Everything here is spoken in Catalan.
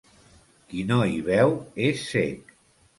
Qui no hi veu és cec.